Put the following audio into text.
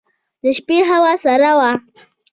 د شپې هوا سړه وه.